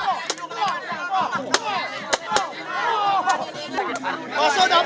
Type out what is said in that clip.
suara kian serang pun kota kuno juga sering menang